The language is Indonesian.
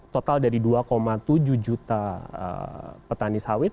total dari dua tujuh juta petani sawit